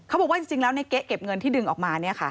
เขาบอกว่าจริงแล้วในเก๊ะเก็บเงินที่ดึงออกมา